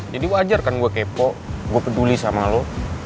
jadi wajar kan gue kepo gue peduli sama lo